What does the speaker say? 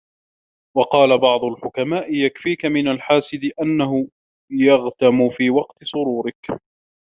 وَقَالَ بَعْضُ الْحُكَمَاءِ يَكْفِيك مِنْ الْحَاسِدِ أَنَّهُ يَغْتَمُّ فِي وَقْتِ سُرُورِك